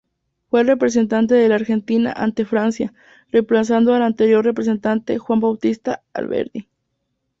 Fue representante de la Argentina ante Francia, remplazando al anterior representante Juan Bautista Alberdi.